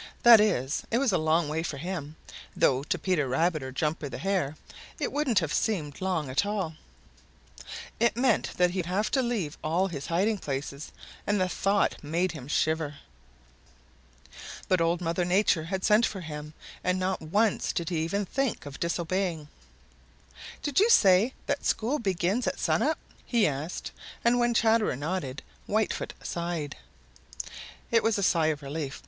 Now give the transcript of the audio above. That is, it was a long way for him, though to Peter Rabbit or Jumper the Hare it wouldn't have seemed long at all. It meant that he would have to leave all his hiding places and the thought made him shiver. But Old Mother Nature had sent for him and not once did he even think of disobeying. "Did you say that school begins at sun up?" he asked, and when Chatterer nodded Whitefoot sighed. It was a sigh of relief.